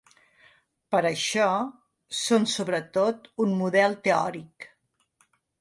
Per això, són sobretot un model teòric.